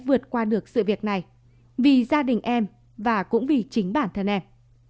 vượt qua được sự việc này vì gia đình em và cũng vì chính bản thân em